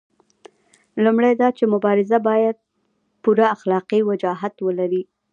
لومړی دا چې مبارزه باید پوره اخلاقي وجاهت ولري.